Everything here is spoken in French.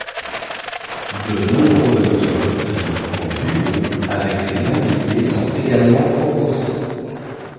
De nombreuses reprises en duo avec ses invités sont également proposées.